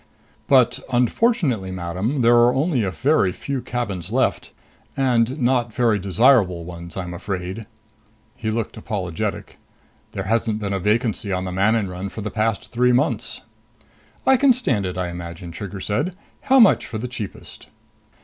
"But unfortunately, madam, there are only a very few cabins left and not very desirable ones, I'm afraid." He looked apologetic. "There hasn't been a vacancy on the Manon run for the past three months." "I can stand it, I imagine," Trigger said. "How much for the cheapest?"